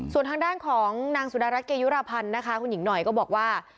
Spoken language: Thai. ส่วนทางด้านของนางสุดารัฐเกยุรพันธ์นะคะคุณหญิงหน่อยก็บอกว่า